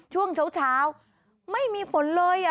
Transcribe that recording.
ช่วงเช้าไม่มีฝนเลย